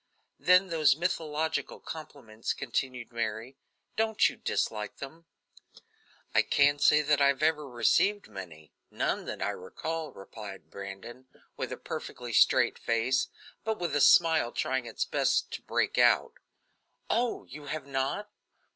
"Then those mythological compliments," continued Mary, "don't you dislike them?" "I can't say that I have ever received many none that I recall," replied Brandon, with a perfectly straight face, but with a smile trying its best to break out. "Oh! you have not?